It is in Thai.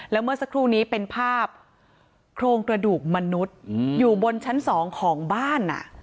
แล้วเมื่อสักครู่นี้เป็นภาพโครงกระดูกมนุษย์อยู่บนชั้น๒ของบ้าน